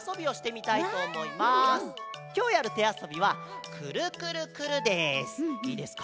きょうやる手あそびは「くるくるくるっ」です。